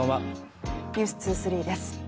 「ｎｅｗｓ２３」です。